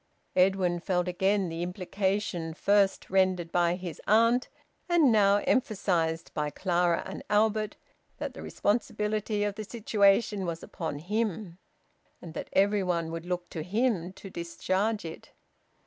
Edwin felt again the implication, first rendered by his aunt, and now emphasised by Clara and Albert, that the responsibility of the situation was upon him, and that everybody would look to him to discharge it.